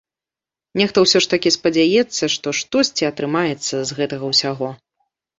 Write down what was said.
Нехта ўсё ж такі спадзяецца, што штосьці атрымаецца з гэтага ўсяго.